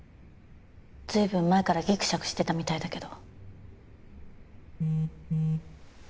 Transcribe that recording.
随分前からギクシャクしてたみたいだけど。